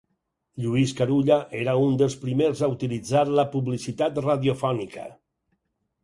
Lluís Carulla era un dels primers a utilitzar la publicitat radiofònica.